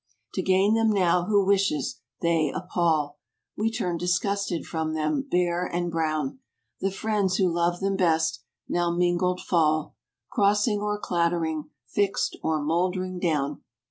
To gain them now who wishes, they appal; We turn disgusted from them bare and brown: The friends who loved them best, now mingled fall, Crossing or clattering, fixed, or mould'ring down.